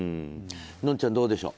のんちゃん、どうでしょう？